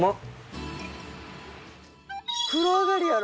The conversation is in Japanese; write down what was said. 「風呂上がりやろ？」